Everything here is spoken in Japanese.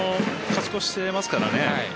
勝ち越していますからね。